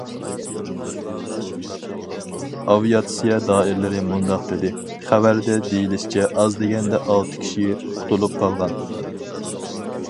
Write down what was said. ئاۋىياتسىيە دائىرىلىرى مۇنداق دېدى: خەۋەردە دېيىلىشىچە ئاز دېگەندە ئالتە كىشى قۇتۇلۇپ قالغان.